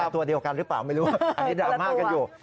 ตัวเดียวกันหรือเปล่าไม่รู้อันนี้ดราม่ากันอยู่